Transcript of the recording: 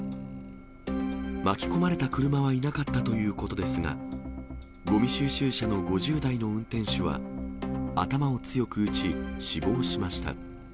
巻き込まれた車はいなかったということですが、ごみ収集車の５０代の運転手は、頭を強く打ち、死亡しました。